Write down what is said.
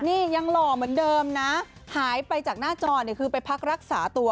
นี่ยังหล่อเหมือนเดิมนะหายไปจากหน้าจอเนี่ยคือไปพักรักษาตัว